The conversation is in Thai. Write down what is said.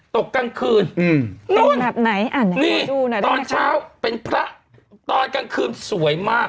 ตกกลางคืนนี่ตอนเช้าเป็นพระโยนกลางคืนสวยมาก